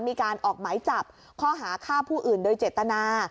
มีการออกหมายจับข้อหาฆ่าผู้อื่นโดยเจตนา